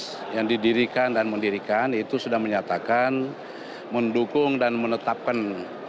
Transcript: dan yang sudah diberikan dan mendirikan itu sudah menyatakan mendukung dan menetapkan